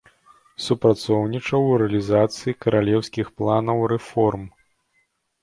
Супрацоўнічаў у рэалізацыі каралеўскіх планаў рэформ.